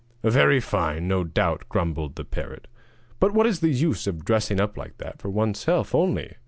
'Very fine, no doubt,' grumbled the parrot; 'but what is the use of dressing up like that for oneself only?